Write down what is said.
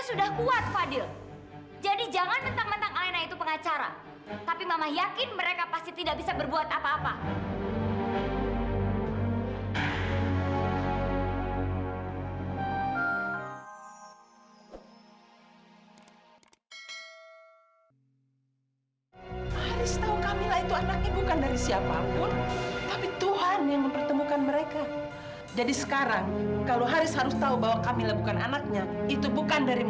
sampai jumpa di video selanjutnya